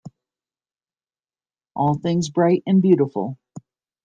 All things bright and beautiful.